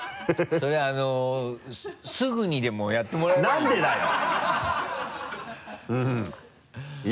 それあのすぐにでもやってもらえない？